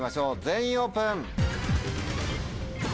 全員オープン！